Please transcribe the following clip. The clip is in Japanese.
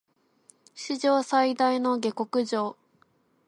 史上最大の下剋上